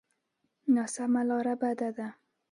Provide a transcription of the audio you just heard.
ناسمه لاره بده ده.